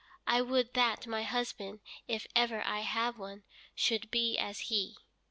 I would that my husband, if ever I have one, should be as he."